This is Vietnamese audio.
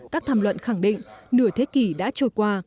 các tham luận khẳng định nửa thế kỷ đã trôi qua